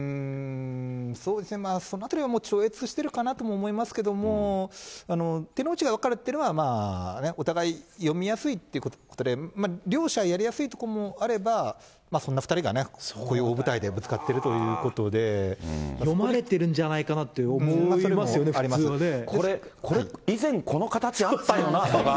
そうですね、そのあたりは超越してるかなと思いますけれども、手の内が分かるというのは、お互い読みやすいってことで、両者やりやすいところもあれば、そんな２人がこういう大舞台でぶ読まれてるんじゃないかなっこれ、以前、この形あったよなとか。